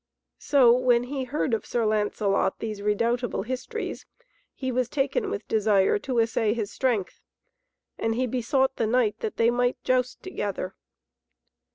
So when he heard of Sir Lancelot these redoubtable histories he was taken with desire to assay his strength. And he besought the knight that they might joust together.